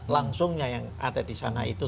langsungnya yang ada di sana itu